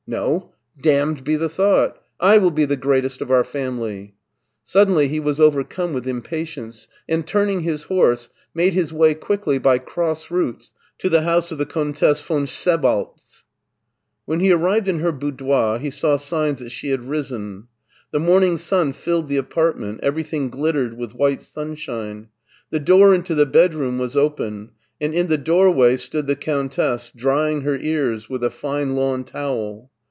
No, damned be the thought : I will be the greatest of our family." Suddenly he was overcome with impatience, and ttutiing his horse, made his way quickly by cross routes to the house of Uie Countess von Sebaltz. When he arrived in her boudoir he saw signs that she had risen. The morning sun filled the apartment, everything glittered with white sunshine. The door into the bedroom was open, and in the doorway stood the Countess, drying her ears with a fine lawn towel.